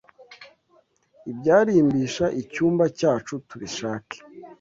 Ibyarimbisha icyumba cyacu tubishake